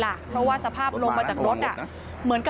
นั่งระวังไว้เพราะว่าสภาพลงมาจากรถส่วนเหมือนเส่